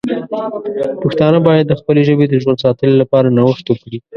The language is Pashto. پښتانه باید د خپلې ژبې د ژوند ساتنې لپاره نوښت وکړي.